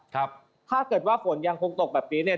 ถ้าเกิดว่าฝนยังคงตกแบบนี้เนี่ย